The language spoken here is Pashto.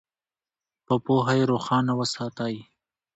په پوهه یې روښانه وساتئ.